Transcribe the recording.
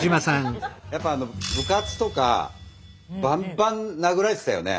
やっぱあの部活とかバンバン殴られてたよね。